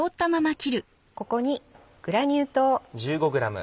ここにグラニュー糖。